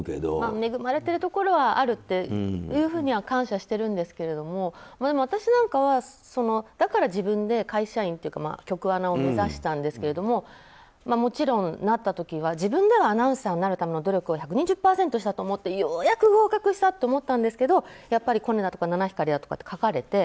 恵まれているところはあるというふうには感謝しているんですが私なんかはだから自分で会社員っていうか局アナを目指したんですけどもちろん、なった時は自分でアナウンサーになるための努力は１２０％していると思ってようやく合格したと思ったんですけどやっぱりコネだとか七光りだとか書かれて。